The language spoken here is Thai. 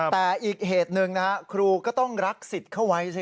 แต่อีกเหตุหนึ่งนะฮะครูก็ต้องรักสิทธิ์เข้าไว้สิ